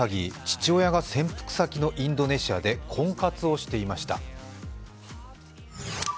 父親が潜伏先のインドネシアで婚活をしていました。